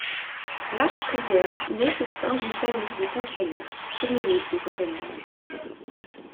Lars Trier naît au sein d'une famille de fonctionnaires communistes de Copenhague.